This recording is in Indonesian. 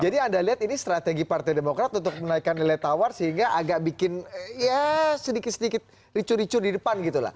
jadi anda lihat ini strategi partai demokrat untuk menaikkan nilai tawar sehingga agak bikin ya sedikit sedikit ricu ricu di depan gitu lah